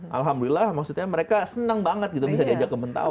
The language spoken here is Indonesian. alhamdulillah maksudnya mereka senang banget bisa diajak ke mentawai